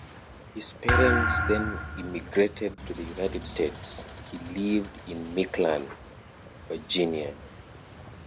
His parents then immigrated to the United States; he lived in McLean, Virginia.